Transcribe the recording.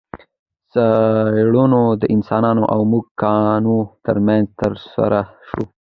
څېړنه د انسانانو او موږکانو ترمنځ ترسره شوه.